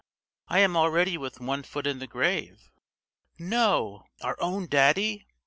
I am already with one foot in the grave," "No, our own daddy!